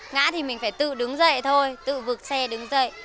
ngã thì mình phải tự đứng dậy thôi tự vực xe đứng dậy